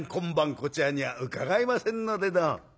こちらには伺えませんのでどうも」。